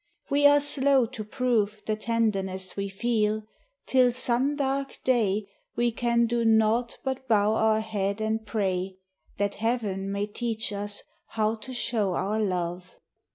We are slow to prove The tenderness we feel, till some dark day We can do naught but bow our head and pray That Heaven may teach us how to show our love.